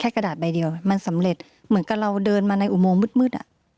กระดาษใบเดียวมันสำเร็จเหมือนกับเราเดินมาในอุโมงมืดอ่ะ